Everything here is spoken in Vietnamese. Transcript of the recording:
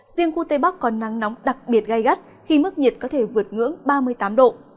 riêng khu tây bắc có nắng nóng đặc biệt gai gắt khi mức nhiệt có thể vượt ngưỡng ba mươi tám độ